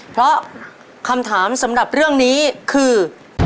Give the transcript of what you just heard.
เพราะคำถามสำหรับเรื่องนี้คือ